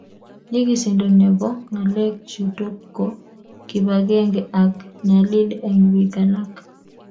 nyigisindo nebo ngalek chutok ko kibagenge ak nyalil eng piik alak